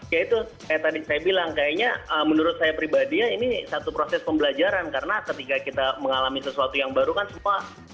ya itu kayak tadi saya bilang kayaknya menurut saya pribadi ya ini satu proses pembelajaran karena ketika kita mengalami sesuatu yang baru kan semua